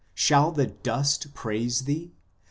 Shall the dust praise thee